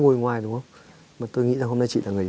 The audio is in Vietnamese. công an có khoảng năm mươi